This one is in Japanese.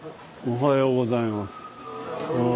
おはようございます。